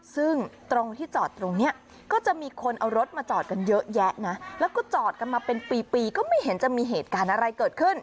ซึ่งตรงที่จอดตรงนี้ก็จะมีคนเอารถมาจอดกันเยอะแยะนะแล้วก็จอดกันมาเป็นปีปีก็ไม่เห็นจะมีเหตุการณ์อะไรเกิดขึ้น